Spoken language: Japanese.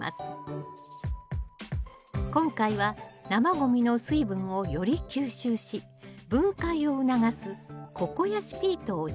今回は生ごみの水分をより吸収し分解を促すココヤシピートを使用。